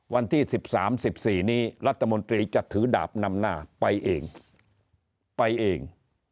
วันที่๑๓๑๔นี้รัฐมนตรีจะถือดาบนำหน้าไปเองไปเอง